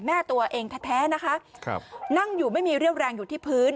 แม่ตัวเองแท้นะคะนั่งอยู่ไม่มีเรี่ยวแรงอยู่ที่พื้น